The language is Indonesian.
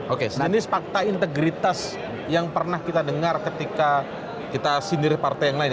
oke jenis fakta integritas yang pernah kita dengar ketika kita sindir partai yang lain